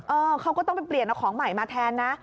เขาก็ต้องไปเปลี่ยนเอาของใหม่มาแทนนะ